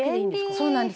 「そうなんです」